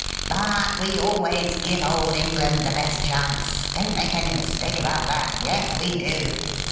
But we always give Old England the best chance ; don't make any mistake about that. Yes, we do.